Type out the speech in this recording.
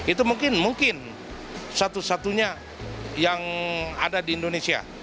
itu mungkin satu satunya yang ada di indonesia